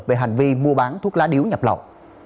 về hành vi mua bán thuốc lá điếu nhập lậu